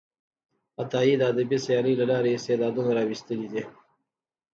عطایي د ادبي سیالۍ له لارې استعدادونه راویستلي دي.